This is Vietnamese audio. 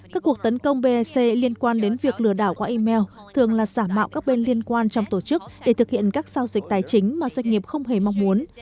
các cuộc tấn công bec liên quan đến việc lừa đảo qua email thường là giả mạo các bên liên quan trong tổ chức để thực hiện các giao dịch tài chính mà doanh nghiệp không hề mong muốn